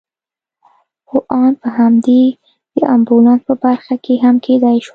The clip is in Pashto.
هو آن په همدې د امبولانس په برخه کې هم کېدای شوای.